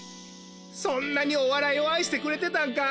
そんなにおわらいをあいしてくれてたんか。